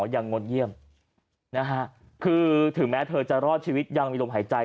งดเยี่ยมนะฮะคือถึงแม้เธอจะรอดชีวิตยังมีลมหายใจ